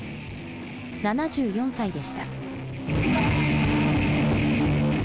７４歳でした。